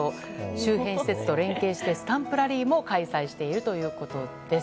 周辺施設と連携してスタンプラリーも開催しているということです。